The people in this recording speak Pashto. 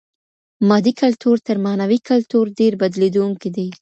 مادي کلتور تر معنوي کلتور ډېر بدلېدونکی دی.